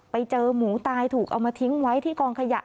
ไปเจอหมูตายถูกเอามาทิ้งไว้ที่กองขยะ